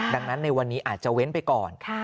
ดังนั้นในวันนี้อาจจะเว้นไปก่อน